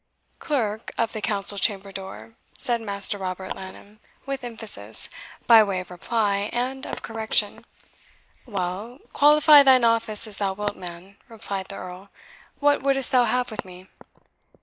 "CLERK of the council chamber door," said Master Robert Laneham, with emphasis, by way of reply, and of correction. "Well, qualify thine office as thou wilt, man," replied the Earl; "what wouldst thou have with me?"